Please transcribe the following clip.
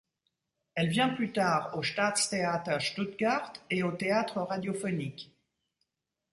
Elle vient plus tard au Staatstheater Stuttgart et au théâtre radiophonique.